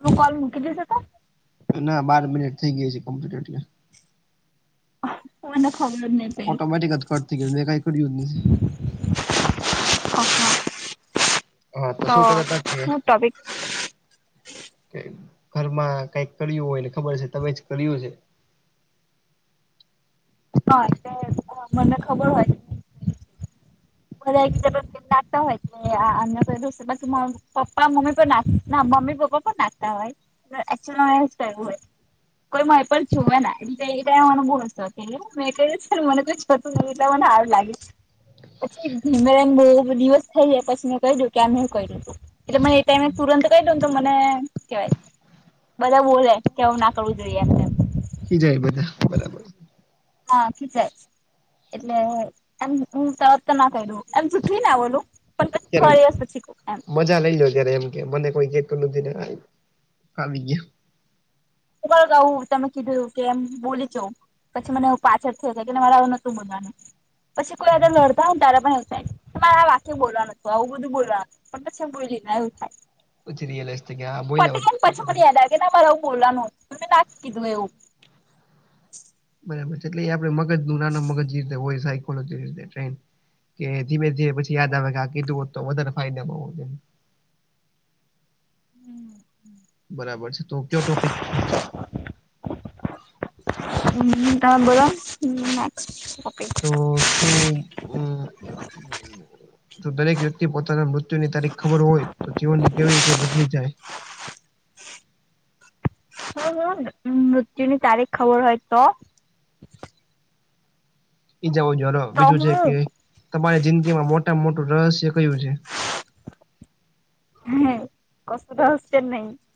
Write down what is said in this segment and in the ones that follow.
તું કોલ મૂકી દીધો તો ના બાર મિનિટ થઈ ગઈ છે કમ્પ્લીટ એટલે કોને ખબર ની ઓટોમેટિક જ કટ થ‌ઈ ગયો દેખાઈ [unintelligible] હા [inaudible] તો શું કહેતા હતા કે હુ ટપિક કે ઘરમાં કઈક કર્યું હોયને ખબર છે તમે જ કર્યું છે હા એટલે મને ખબર હોય [inaudible] મારા હિસાબે [unintelligible] ને આ ના બધું [unintelligible] પપા મમી પર નાખતા ના મમી પપા પર નાખતા હોય ન અક્ટયુઅલ મા એજ કરવું હોય કોઈ માહી પણ જોવે ને તે એ ટાઈમે મને બો હસુ આવે [unintelligible] એટલે મને હારું લાગે પછી ધીમે રહી ને બો દિવસ થઈ જાય પછી મેં કહી દીધું કે આ હુ કર્યું એટલે મને એ ટાઈમે તુરંત કહી દઉ ને તો મને હુ કેવાય બધા બોલે કે એવું ના કરવું જોઈએ ને અમે તેમ ખીજાય બધા બરાબર હા ખીજાય એટલે એમ હું [unintelligible] ત્યારે [unintelligible] એમ. મજા લઈ લો ત્યારે એમ કે મને કોઈ કેતું નથી ને આવી ગયું. કું તમે કીધું કે એમ બોલી છો. પછી મને એું પાછળ થાય કે મારે આવું નતું મનવાનું, પછી કોઈ આ લડતા હોયને તા પણ એવું થાય. મારે આ વાક્ય બોલવા નતુ આવું બધું બોલવાનું પણ પછી એમ બોલીને એવું થાય. પછી રયલસ હા બોઈ. પતી ગયું ને [unintelligible] બરાબર છે એટલે એ આપડ મગજ નું નાના મગજ જે રીતે હોય સા [unintelligible] કે ધીમે ધી પછી યાદ આવે આ કીધું હો તો વધારે ફાયદામાં. હમ હમ. બરાબર છે તો કયો ટોપિક નેક્સ્ટ? હમ તમે બોલોને [unintelligible] તો શું હમ. જો દરેક વ્યક્તિ પોતાના મૃત્યુની તારીખ ખબર હોય તો જીવનને કેવી રીતે બદલી જાય. હુ હુ મૃત્યુની તારીખ ખબર હોય તો? ઈજાઓ જો તો બીજું છે હું કે તમારી જિંદગીમાં મોટામાં મોટું રહસ્ય કયું છે? [unintelligible]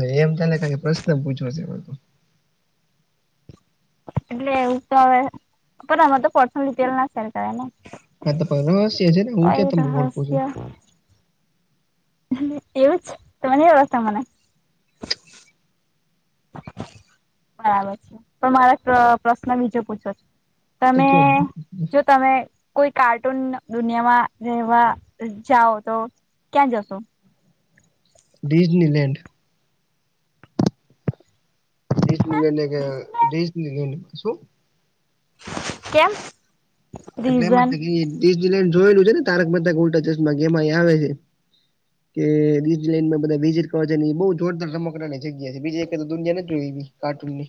એ એમ તને કે પ્રશ્ન પૂછો છે. એટલે એવું તો હવે પણ આમાતો પર્સનલ ડિટેલ ના સેર કરાય ને. હા તો રહસ્ય છેને હું તો ક્યાં એ તમને ઓળખું છું. રહસ્ય એવું છે તમે રસ્તા મને. બરાબર છે પણ મારા પ્રશ્ન બીજો પૂછવો છે. તો તમે કયો જો તમે કોઈ કાર્ટૂન દુનિયામાં રહેવા જાઓ તો ક્યાં જશો? ડિઝનીલેન્ડ. ડિઝનીલેન્ડ કે ડિઝનીલેન્ડ શું? કેમ? એટલે એમજ રીઝન તે ડિઝનીલેન્ડ જોયેલું છે ને તારક મહેતાકા ઉલ્ટા ચશ્મામાં આવે છે. [inaudible] કે ડિઝનીલેન્ડમાં બધાય એ બહુજ જોરદાર રમકડાની જગ્યા છે બીજી એકાદી દુનિયા નથી જોઈ એવી કાર્ટૂનની.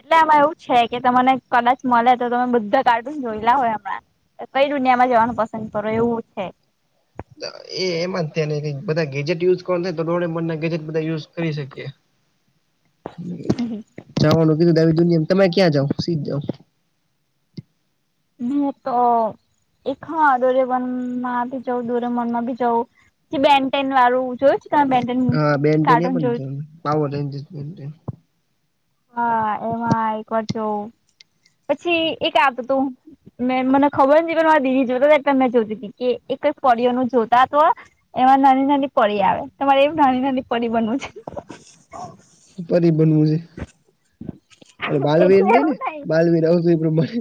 એટલે આમાં એવું છે કે તમને કદાચ મળે તો તમે બધા કાર્ટુન જોયેલા હોય હમણાં. કઈ દુનિયામાં જવાનું પસંદ કરો એવું છે. એમાં થયાને બધા ગેજેટ યુઝ કરવા થાય તો ડોરેમોરના કરી ગેજેટ બધા યુઝ કરી શકીએ. જવાનું કીધું તું આવી દુનિયા તમે ક્યાં જાવ સીધ જાવ? હાતો એક હા ડોરેમોરમાંભી જઉ ડોરેમોરમાભી જઉ. બેનટેન વાળું જોયું તમે. [unintelligible] હા બેન્ટે કાર્ટૂન જોયું પણાવ [unintelligible] હા એમાં એકવારજો પછી એકદુ મેં મને ખબર નથી ઈ જોતાતા કે તમને જોતીતી કે એક જ કોડિયો નું જોતા તો. એમાં નાની નાની પરી આવે તમારે એવ નાની નાની પરી બનવું છે. પરી બનવું છે, પણ બાલવીર એટલે નઈ ને એવું થાય બાલવીર આવતું.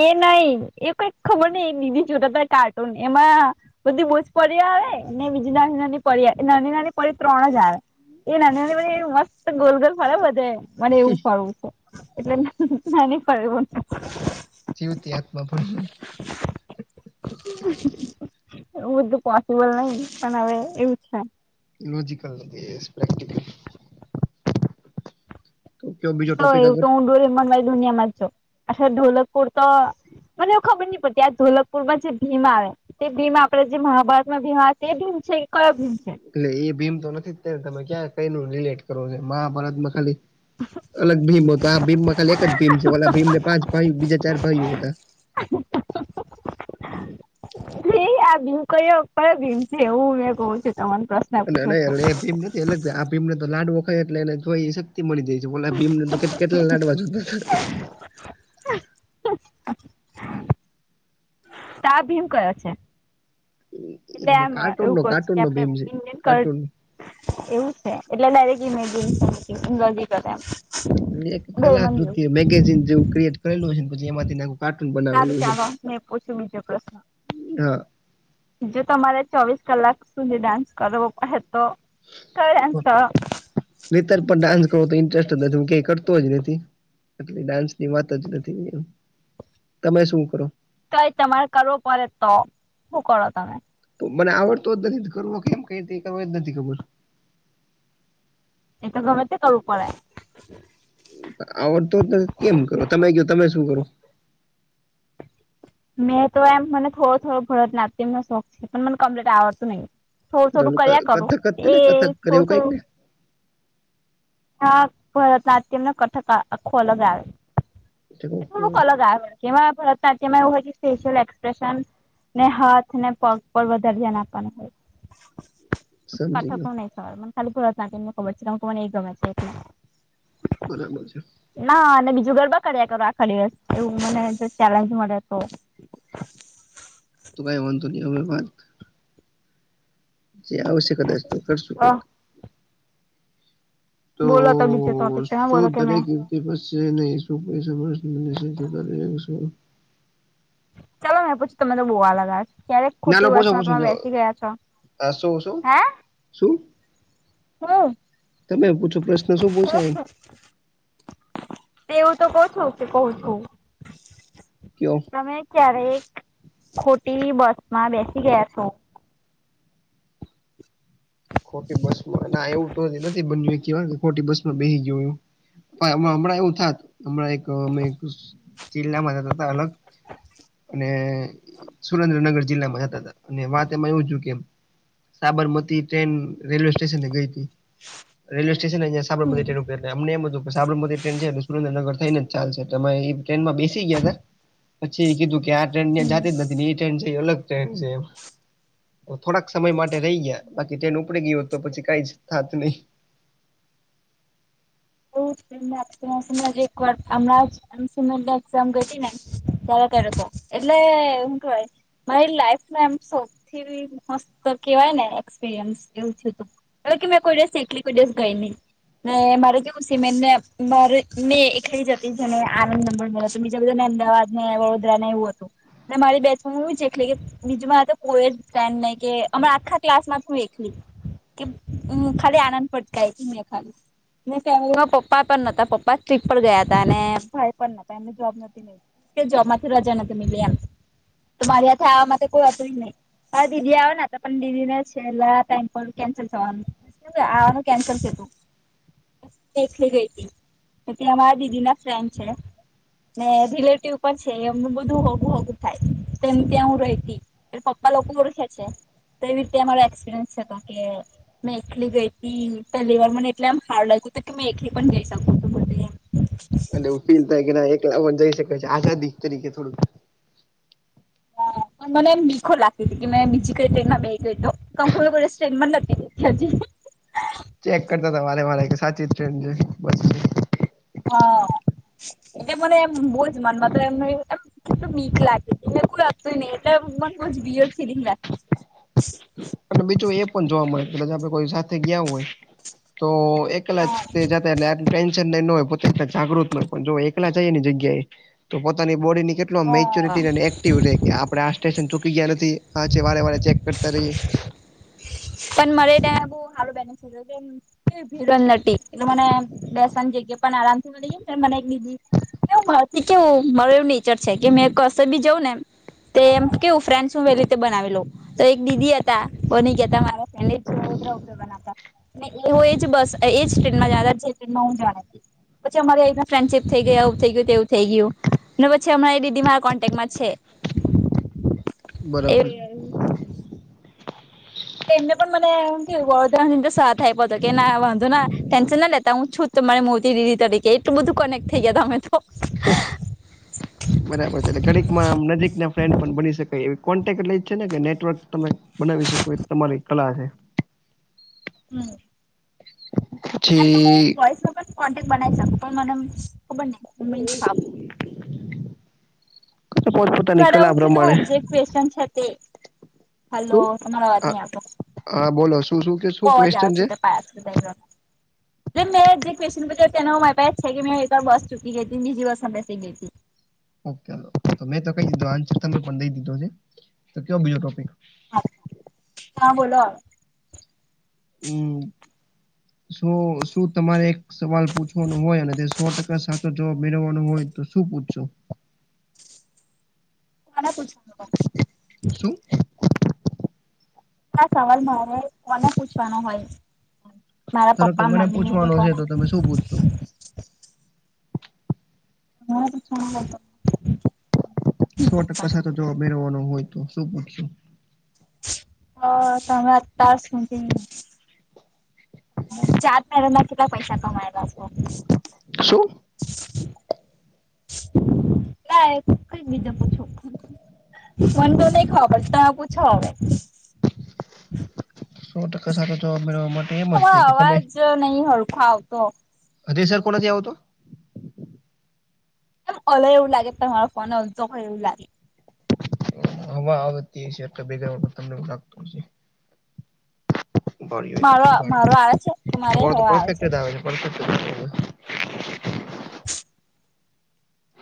એ નહી એ કઈ ખબર નહી એ બીજું જોતાતા કાર્ટૂન એમાં બધી બહુજ પરીયા આવે ને બીજી નાની નાની પરી નાની નાની પરી ત્રણ જ આવે. એ નાની પરી એવું મસ્ત ગોલગોલ ફળે બધે. મને એવું ફરવું તુ એટલે નાની [unintelligible] જીવતી આત્મા પણ એઉ તો પોસિબલ નહી પણ હવે એવું છે. ઈલોજિકલ કેસ પ્રેક્ટિકલ તો કયો બીજો ટોપિક તોય આગળ તો હું ડોરેમોનવાળી દુનિયામાં છું અચ્છા ઢોલક પુરતો મને એવું ખબર નહીં પડતી આ ધોલકપુર માં જે ભીમ આવે તે ભીમ આપડે જે મહાભારતમાં ભીમ આવે તે ભીમ છે કે કયો ભીમ છે? એટલે ઈ ભીમ તો નથી જ તને તમે ક્યાં કઈનું રિલેટ કરવો છો મહાભારતમાં ખાલી અલગ ભીમ હતો આ ભીમમાં ખાલી એક જ ભીમ છે ઓલા ભીમ ને પાંચ ભાઈ બીજા ચાર ભાઈઓ હતા. [inaudible] એ આ ભીમ કયો આપડા ભીમ છે એવું [unintelligible] તમને પ્રશ્ન અન પૂછો અને છો એટલે તો એ ભીમ નથી એટલે આ ભીમને તો લાડવો ખાય એટલે એને જોઈએ સે તે મળી જાય છે ઓલા ભીમને તો કેટ કેટલા લાડવા જોતા તા. તો આ ભીમ કયો છે? એટલે હતા એમ કાર્ટૂન એવું નો [unintelligible] કાર્ટૂન કે નો ભીમ છે આપડ ઇન્ડિયન કલ કાર્ટૂન એવું છે એટલે ડાયરેક્ [unintelligible] કરે એમ ને એક ડોરેમોન જેવું કલાકૃતિ મેગેઝીન જેવું ક્રિએટ કરેલું હસે અને પછી એમાંથી નવું. સારુ ચાલો મેં પૂછ્યું બીજો પ્રશ્ન હા. જો તમારે ચોવીસ કલાક સુધી ડાન્સ કરવો પડે તો કયો ડાન્સ કરો? રીતલ પણ ડાન્સ કરવો તો ઇન્ટરેસ્ટ જ નથી હું ક્યાંય કરતો જ નથી. એટલે ડાન્સની વાત જ નથી એમ તમે શું કરો? તોઈ તમારે કરવો પડે તો શું કરો તમે? તો મને આવડતો જ નથી તો કરવો કેમ કઈ રતે કરવો ઈજ નથી ખબર. એ તો ગમે તે કરવું પડે આવડતો જ નથી તો કેમ કરો તમે કહ્યો તમે શું કરો? મેં તો એમ મને થોડો થોડો ભરત નાટ્યમ નો શોખ છે પણ મને કમ્પ્લીટ આવડતું નહીં. થોડું એટલે થોડું ઓલું ક- કર્યા કરો કથક જ છે એ ને કથક કરે એવું થોડું કઈક ને થોડું હા ભરતનાટ્યમ ના કથકા આખો લગ આવે. ઠીક ઓકે થોડુંક અલગ આવે જેમાં ભરત નાટ્યમ માં એઉ હોય. કી ફેશિયલ એક્સપ્રેશન ને હાથ ને પગ પર વધારે ધ્યાન આપવાનું હોય. હ કથકો નઈ ખબર મને મને ખાલી ભરત નાટ્યમ નો ખબર છે કારણ કે મને એ ગમે છે એટલે. બરાબર છે. ના અને બીજું ગરબા કર્યા કરો આખા દિવસ એવું મને જો ચેલેન્જ મળે તો. તો કાઈ વાંદો નઈ હવે વાત. એ આવશે કદાચ તો કરશું કઈક બોલો તો બીજે ટોપીક તમે બોલો કે મેં? એ પછી નહી શું પૈસા મળશે મને જોશું કરીલે શું. ચાલો મેં પૂછ તમે તો બહુ અલગ ક્યારેક ના ખોટી ના પછો બસમાં પૂછો તમે જો બેસી ગયા છો શું શું શું હા તમે પૂછો પ્રશ્ન શું પૂછાય એમ તેવું તો કહું છો કે કહ છું. ક્યો? તમે ક્યારેક ખોટી બસ માં બેસી ગયા છો? ખોટી બસમાં ના એવું તો નથી બન્યું વાત. ખટી બસમાં બેસી ગયું, હમણાં એવું થાત. હમણાં એક અમે જિલ્લામાં જ અલગ. અને સુરેન્દ્રનગર જિલ્લામાં જતા હતા. અને વાત એમાં એવું છું કે, સાબરમતી ટ્રેન રેલવે સ્ટેશનને ગઈ હતી. રેલવે સ્ટેશન જં સાબરમતી ટ્રેન હમ ઉપર અમને એમ હતું કે સાબરમતી ટ્રેન છે. સુરેન્દ્રનગર થઈ ને ચાલશે તમે એ ટ્રેનમાં બેસી ગયા તા. પછી એ કીધું કે આ ટ્રેનં જાતી જ નથી ને એ ટ્રેન છેઈ એ અલગ. થોડાક સમય માટે રહી ગયા. બાકી તેને ઉપડી ગયયો તો પછી કઈ જ થાત નહી. બ સમ જે અજ [unintelligible] એમ સી એક્ઝામ ઘટી ને તાર કર તો, એટલે હું કેવાય. મારી લાઈફમાં એમ સૌથી મસ્ત કેવાય ને એક્સપિરિયન્સ એવું થતું. હ કે મેં કોઈ દિવસ શેખલી કોઈ દિવસ ગઈ નહી, ને મારે જે સિમેન્ટને મા મેં એકી જતીને આનંદ ન મળ મળ્યો હતો બીજા બધાને અમાવાદ વડોદરા ને એવું હતું, ને મારી બેચ એ છે એટલે કે બીજમાં તો કોઈ જ સ્ટેન્ડ નહી કે હમણા આખા ક્લાસ માં એકેલી. કે ખાલી આનંદ પટતાાય ત એ ખાલી. ફેમલીમાં પપ્પા પણ નતા પપ્પા ટ્રીપ પર ગયા હતા અને ભાઈ પણ એમને જોબ કે જોમાંથી રજા નથી મિલી એમ, તો મારી હથે આવા માટે કોઈ અ હતુંય નહી. હા દીદી આવો પણ દીદી છેલ્લા ટ કેન્સલ થવાનું. આવાનું કેન્સલ થતું. લી ગઈ હતી, ત અમારા દીદી ના ફ્રેન્ડ છે. ને રિલેટિવ પણ છે એમનું બધું હોગું હોગું થાય, તેમ ત્યાં હું રહીતી. એ પપ્પા લોકો ઓળખે છે, તો એવી રીતે અમારો એક્સપિરિયન્સ છે તો કે. મેલી ગઈ હતી પહેલી વાર મને એટલે એમ હાર લાગ્યું હતું કે મેં એકલી પણ જઈ શકું છું બધ એમ. અને એવું ફીલ થાય કે એકલા પણ જઈ શકેાય છે આઝાદી તરીકે થોડુંક. હ મને મીખો લાગતી છે કે મે બીજીી ક તો એ ના બે કરીતો. કણ કો સ્ટ [unintelligible] નથી. ચેક કરતા હતા વારે વારે કે સાચી જ ટ્રેન છે બસ છે. હ, એટલે મને એમ બોજ મનમાં એમ. બીક લાગે ને કોઈ હતું નહી એટલે મન બોજ બિઅર્ડ ફિલિંગ લાગે. અને બીજું એ પણ જોવા મળે આપે કોઈ સાથે ગયા હોય, તો એકલા જ હા તે જા એટલે આ ટેન્શન નો હોય પોતે તો જાગૃત હોય પણ જો એકલા જઈએ ને જગ્યાએ. તો પોતાની બોડી ની કેટ એટલો હા મેચ્યોરિટી એક્ટિવ રેય કે આપડે આ સ્ટેશન ચૂકી ગયા નથી આછે વારે વારે ચેક કરતા રહીએ. પણ મારે ત્યાં બોવ સારું બેનફિટ રેય. ભીડ નથી એટલે મને બેસવાની જગ્યા પણ આરામથી મળી જાય પણ મને એક બીજી ને મારાથી કેવું મારો એવું નેચર છે કે મેં કશે બી જઉં ને. તે એમ કેવું ફ્રેન્ડ હું બે રીતે બનાવી લઉ, તો એક દીદી હતા બની ગયા હતા મારા. એલેજું હળદ્ર ઉપયોગ હતા. એ હું એજ બસ એજ ટ્રેનમાં જાતા ટ્રેનમાં હું જાણે. પછી અમારી એવી રીતના ફ્રેન્ડશીપ થઈ ગયા આવું થઈ ગયું તેવું થઈ ગયું. ને પછી હમણા એ દીદી મારા કોન્ટેક્ટમાં છે. એ બરાબર એટલે એમને પણ મને એમ થયું કે બધા સાથ આપ્યો હતો કે ના વાંધો ના ટેન્શન ના લેતા હું છું. તો મારે મોટી દીદી તરીકે એટલું બધું કનેક્ટ થઈ ગયા હતા અમે તો [unintelligible] [unintelligible] બરાબર છે એટલે ઘડીકમાં નજીક ના ફ્રેન્ડ પણ બની શકાય એવી કોન્ટેક્ટ લઈ જ છે ને કે નેટવર્ક તમે બનાવી શકો તમારી કલા છે. હમ એમ તો હું [unintelligible] વોઇસમાં પણ કોન્ટેક્ટ બનાઈ શકુ પણ મને ખબર ન છાપ પોત પોતાની બાર કલા આવું છે પ્રમાણે તું જે ક્વેશચન છે તે હલો શું તમારો અવાજ હા નહી આવતો હા બોલો શું શું કે હો શું અવાજ આવે ક્વેશ્ચન છે તપા ત [unintelligible] જે મેં જે ક્વેસચન પૂછ્યો તેનો મારે પર જ છે કે મેં એક વાર બસ ચૂકી ગઈ હતી બીજી બસમાં બેસે ગઈ હતી ઓકે મેં તો કઈ દીધું આંસર તમે પણ દઈ દીધો છે તો કેવો બીજો ટોપિક હા હા બોલો હમ શું શું તમારે સવાલ પૂછવાનો હોય અને તે સો ટકા સાચો જવાબ મેળવવાનો હોય તો શું પૂછશો કોને પૂછવાનું પણ શું આ સવાલ મારે કોને પૂછવાનો હોય મારા ધારો કે પપ્પા મને મમ્મી ને કે પૂછવાનો છે કોને તો તમે શું પૂછશો હા પૂછવાનો હોય તો નથી સો ટકા પૂછવાનું. સાચો જવાબ મેળવવાનો હોય તો શું પૂચછો હ તમે તાર સુધી ચાર મહિનામાં કેટલા પૈસા કમાયેલા છે. [unintelligible] ના કઈ બીજા પૂછું- મન તો નઈ ખબર તમે પૂછો હવે સો ટકા સાચો જવાબ મેળવવા માટે એમ હ જ છે કે તમે અવાજ નહીં હરખો આવતો હજી સરખો નથી આવતો મને એવું લાગે તમારો ફોન અલતો હોય એવું લાગે હવા આવતી છે તો ભેગા તમને એવુ લાગતું છે. ય મારો મારો આવે છે કે [unintelligible] મારે તમારો તો હવે પફેક્ટ આવે છે પફક્ટ જ આવે છે.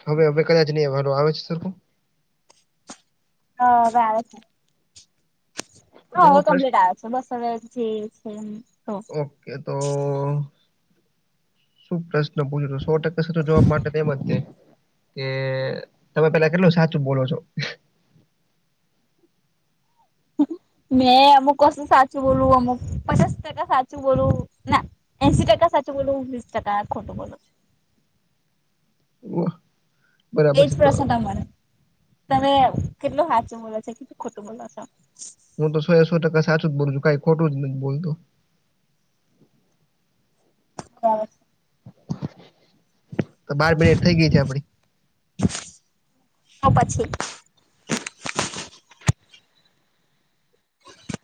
હવે હવે કદાચ નહીં આવે છે સરખું- હા આવે છે તો હવે એવો પ્રશ્ન કમ્પ્લીટ આવે બસ જે છે એ ઓકે તો [unintelligible] [unintelligible] જવાબ માટે તેમ જ કે તમે પેલા કેટલું સાચું બોલો છો મેં અમુક કસું સાચું બોલું અમુક પચાસ ટકા સાચું બોલું ના એંશી ટકા સાચી બોલો હું વિસ ટકા ખોટું બોલો [unintelligible] બરાબર એજ છે તો પ્રસન મળે તમે કેટલું સાચું બોલો છો કેટલું ખોટું બોલો છો હું તો સો એ સો ટકા સાચું જ બોલું છું કઈ ખોટું જ નથી બોલતો. [unintelligible] તો બાર મિનિટ થઈ ગઈ છે, આપડી. અપછી. [inaudible]